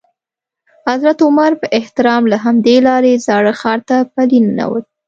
حضرت عمر په احترام له همدې لارې زاړه ښار ته پلی ننوت.